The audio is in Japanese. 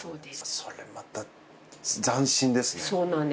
それ、また斬新ですね。